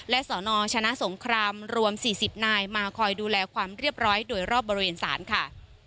และสนชนะสงครามรวม๔๐นายมาคอยดูแลความเรียบร้อยโดยรอบบริเวณศาลค่ะ